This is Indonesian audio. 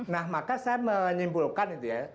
nah maka saya menyimpulkan itu ya